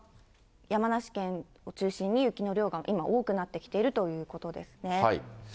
山梨県を中心に雪の量が今、多くなってきているということですね。